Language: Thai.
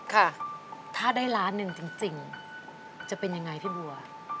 ค่ะถ้าได้ล้านหนึ่งจริงจะเป็นยังไงพี่บัว